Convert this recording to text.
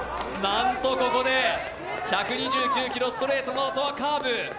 なんとここで１２９キロ、ストレートのあとはカーブ。